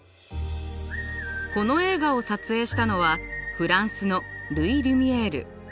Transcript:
この映画を撮影したのはフランスのルイ・リュミエール。